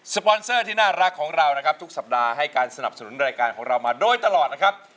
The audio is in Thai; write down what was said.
ปอนเซอร์ที่น่ารักของเรานะครับทุกสัปดาห์ให้การสนับสนุนรายการของเรามาโดยตลอดนะครับ